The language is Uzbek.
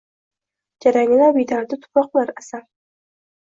Jaranglab yetardi tuyoqlar sasi.